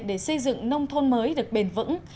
để xây dựng nông thôn mới được bền vững